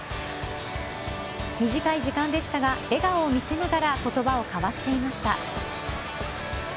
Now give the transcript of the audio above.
短い時間でしたが笑顔を見せながら言葉を交わしていました。